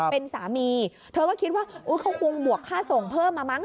เป็นสามีเธอก็คิดว่าเขาคงบวกค่าส่งเพิ่มมามั้ง